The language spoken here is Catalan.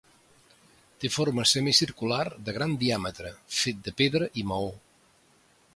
Té forma semicircular de gran diàmetre fet de pedra i maó.